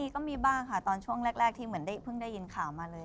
ก็มีบ้างค่ะตอนช่วงแรกที่เหมือนเพิ่งได้ยินข่าวมาเลย